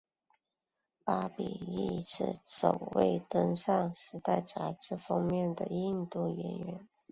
巴比亦是首位登上时代杂志封面的印度演员。